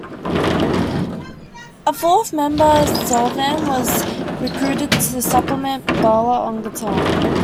A fourth member, Selvam, was recruited to supplement Bala on guitar.